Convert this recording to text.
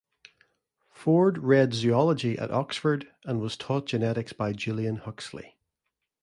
Ford read zoology at Oxford, and was taught genetics by Julian Huxley.